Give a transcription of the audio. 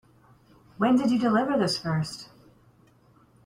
When did you deliver this first?